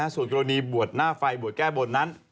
ส่วนกรณีบวชหน้าไฟบวชแก้บนนั้น